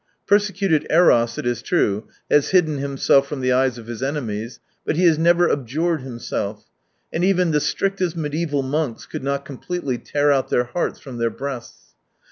Persecuted Eros, it is true, has hidden himself from the eyes of his enemies, but he has never abjured himself ; and even the strictest mediaeval monks could not completely tear out their hearts from their breasts.